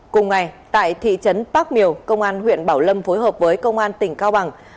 cùng ngày tại thị trấn bác miều công an huyện bảo lâm phối hợp với công an tỉnh cao bằng